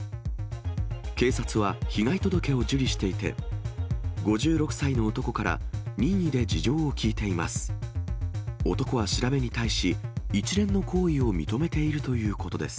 警察は被害届を受理していて、５６歳の男から任意で事情を聴いています。